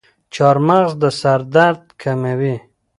چارمغز د سر درد کموي.